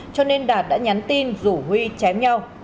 cho nên đạt đã nhắn tin rủ huy chém nhau